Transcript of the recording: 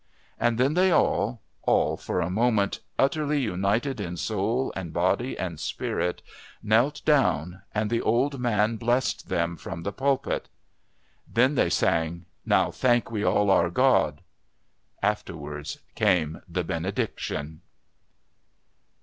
And then they all, all for a moment utterly united in soul and body and spirit, knelt down and the old man blessed them from the pulpit. Then they sang "Now Thank We All Our God." Afterwards came the Benediction.